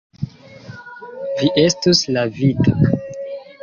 Vi estus lavita.